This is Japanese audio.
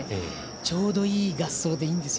ちょうどいい合奏でいいんですよ。